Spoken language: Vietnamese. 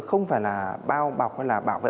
không phải là bao bọc hay là bảo vệ